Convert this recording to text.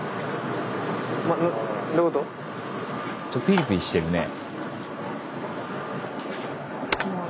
ピリピリしてるね。